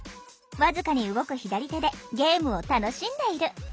僅かに動く左手でゲームを楽しんでいる。